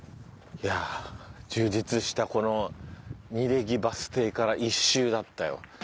いや充実したこの楡木バス停から１周だったよ。